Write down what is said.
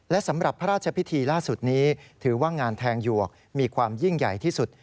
และสำหรับพระราชพิธีล่าสุดนี้ถือว่างานแทงหยวกมีความยิ่งใหญ่ที่สุด